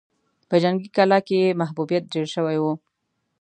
په جنګي کلا کې يې محبوبيت ډېر شوی و.